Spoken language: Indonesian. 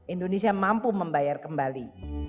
indonesia mampu membayar kembali